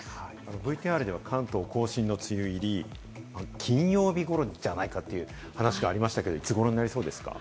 ＶＴＲでは関東甲信の梅雨入りは金曜日頃じゃないかという話がありましたけれど、いつ頃になりそうですか？